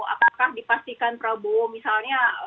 apakah dipastikan prabowo misalnya